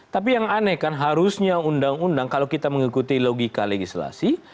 tapi yang aneh kan harusnya undang undang kalau kita mengikuti logika legislasi